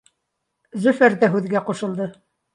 Зөфәр ҙә һүҙгә ҡушылды: